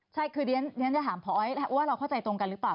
ใช่คือเรียนจะถามพอว่าเราเข้าใจตรงกันหรือเปล่า